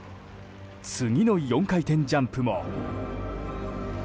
次の４回転ジャンプも。